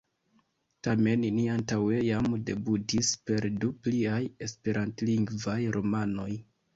Tamen li antaŭe jam debutis per du pliaj esperantlingvaj romanoj.